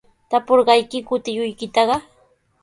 ¿Tapurqaykiku tiyuykitaqa?